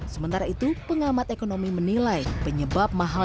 sementara itu pengamat ekonomi menilai penyebab mahal